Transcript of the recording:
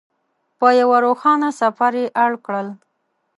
په یوه روښانه سفر یې اړ کړل.